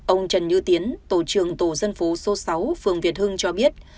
ông trần như tiến tổ trường tổ dân phố số sáu phường việt hương cho biết